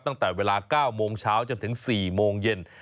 ตั้งแต่เวลา๙โมงเช้าจนถึง๔โมงเย็น